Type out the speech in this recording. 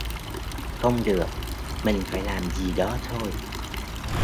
Không được mình phải làm gì đó thôi